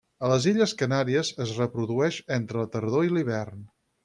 A les illes Canàries es reprodueix entre la tardor i l'hivern.